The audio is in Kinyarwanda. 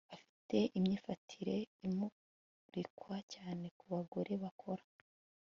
Afite imyifatire imurikirwa cyane ku bagore bakora